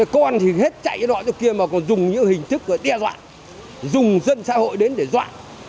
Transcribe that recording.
con thì hết chạy cái đoạn kia mà còn dùng những hình thức để đe dọa dùng dân xã hội đến để dọa